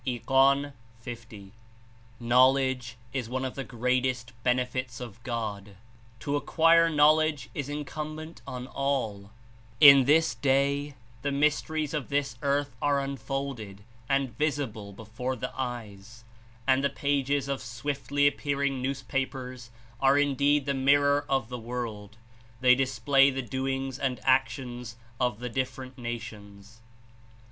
(Ig. jO.) "Knowledge is one of the greatest benefits of God. To acquire knowledge Is Incumbent on all In this Day the mysteries of this earth are unfolded and visible before the eyes, and the pages of swiftly ap pearing newspapers are indeed the mirror of the world; they display the doings and actions of the dif ferent nations."